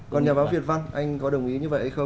còn nhà báo việt văn anh có đồng ý như vậy hay không